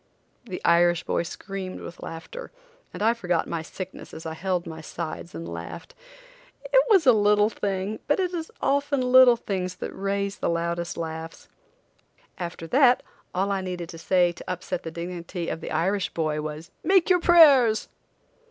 The Irish boy screamed with laughter, and I forgot my sickness as I held my sides and laughed. It was a little thing, but it is often little things that raise the loudest laughs. After that all I needed to say to upset the dignity of the Irish boy was: "Make your prayers!"